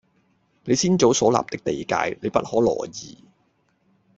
你先祖所立的地界，你不可挪移